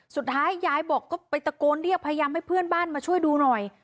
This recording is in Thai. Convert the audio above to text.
สุดท้ายยายบอกก็ไปตะโกนเรียกพยายามให้เพื่อนบ้านมาช่วยดูหน่อย